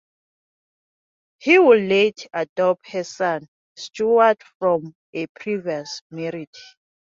He would later adopt her son Stewart from a previous marriage.